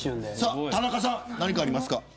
田中さん何かありますか。